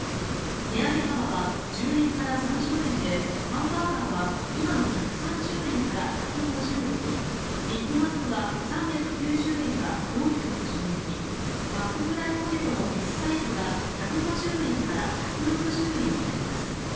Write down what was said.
値上げ幅は１０円から３０円でハンバーガーは今の１３０円から１５０円にビッグマックは３９０円が４１０円にマックフライポテトのＳサイズが１５０円から１６０円になります。